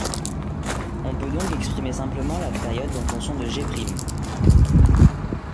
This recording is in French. On peut donc exprimer simplement la période en fonction de g'.